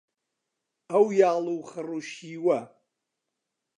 ئەو یاڵ و خڕ و شیوە